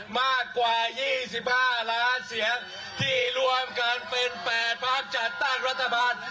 มากกว่า๒๕ล้านเสียงที่รวมกันเป็น๘พักจัดตั้งรัฐบาล